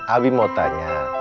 abi mau tanya